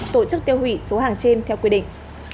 tổ chức tiêu hủy số hàng trên theo quy định